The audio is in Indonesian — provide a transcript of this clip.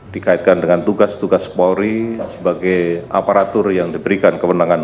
dikaitkan dengan tugas tugas polri sebagai aparatur yang diberikan kewenangan